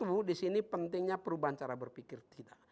yang kedua di sini pentingnya perubahan cara berpikir kita